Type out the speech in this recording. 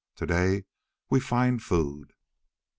Today we find food."